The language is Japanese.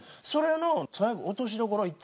それの最後落としどころ